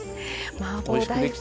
マーボー大根。